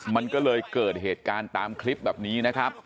มันก็เลยเกิดเหตุการณ์ตามคลิปแบบนี้นะครับ